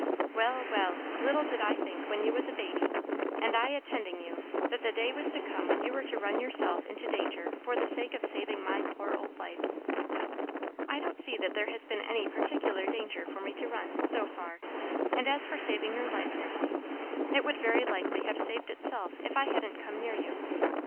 "Well, well! little did I think, when you was a baby, and I a tending you, that the day was to come when you were to run yourself into danger for the sake of saving my poor old life!" "I don't see that there has been any particular danger for me to run, so far; and as for saving your life, Nursey, it would very likely have saved itself if I hadn't come near you.